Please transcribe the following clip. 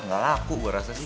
gak laku gue rasa sih